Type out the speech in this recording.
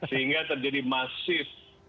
sehingga terjadi masif